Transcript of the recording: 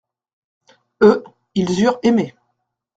Eux, ils eurent aimé.